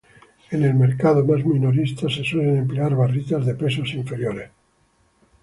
En el mercado más minorista se suelen emplear barritas de pesos inferiores.